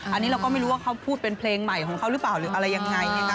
อันนี้เราก็ไม่รู้ว่าเขาพูดเป็นเพลงใหม่ของเขาหรือเปล่าหรืออะไรยังไง